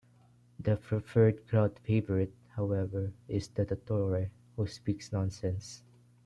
The preferred crowd favorite, however, is the Dottore who speaks nonsense.